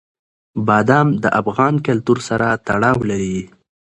بادام د افغان کلتور سره تړاو لري.